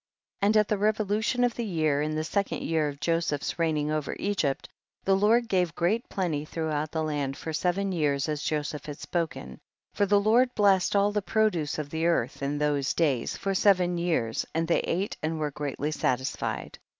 7. And at the revolution of the year, in the second year of Joseph's reigning over Egypt, the Lord gave great plenty throughout the land for seven years as Joseph had spoken, for the Lord blessed all the produce of the earth in those days for seven years, and they ate and were greatly satisfied.